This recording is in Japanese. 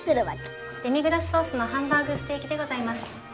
デミグラスソースのハンバーグステーキでございます。